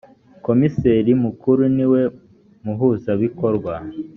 komiseri mukuru niwe muhuzabikorwa